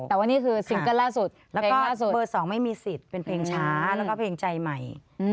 แต่ว่านี่คือซิงเกิ้ลล่าสุดแล้วก็เบอร์๒ไม่มีสิทธิ์เป็นเพลงช้าแล้วก็เพลงใจใหม่